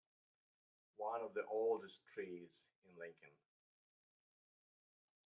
One of the oldest trees in Lincoln.